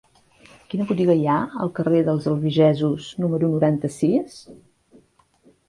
Quina botiga hi ha al carrer dels Albigesos número noranta-sis?